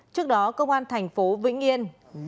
trước đó công an tp hcm